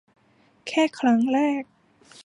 แค่ครั้งแรก